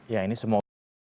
ya ini semua